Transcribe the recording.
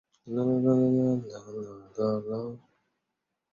据此可确认帛书是晚于简书。